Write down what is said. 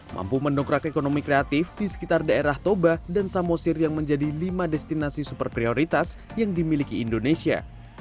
mampu mendongkrak ekonomi kreatif di sekitar daerah toba dan samosir yang menjadi lima destinasi super prioritas yang dimiliki indonesia